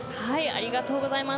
ありがとうございます。